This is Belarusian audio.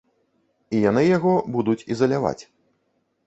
І яны яго будуць ізаляваць.